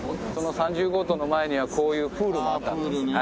この３０号棟の前にはこういうプールもあったんです。